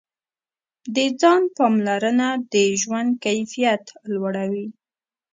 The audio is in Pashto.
د ځان پاملرنه د ژوند کیفیت لوړوي.